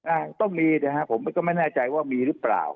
อ่าต้องมีด้วยครับเพราะผมไม่แน่ใจว่ามีหรือเปล่า